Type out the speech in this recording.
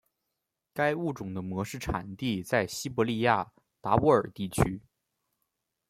该物种的模式产地在西伯利亚达乌尔地区。